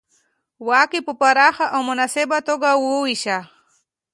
واک یې په پراخه او مناسبه توګه وېشه.